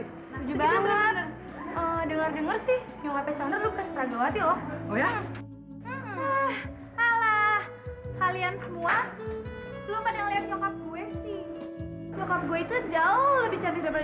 hai ah alah kalian semua lupa dengan nyokap gue sih nyokap gue itu jauh lebih cantik dari